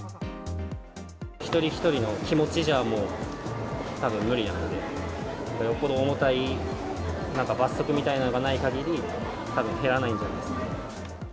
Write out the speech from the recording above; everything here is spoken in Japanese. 一人一人の気持ちじゃもう、たぶん無理なので、よっぽど重たい、なんか罰則みたいのがないかぎり、たぶん減らないんじゃないですか。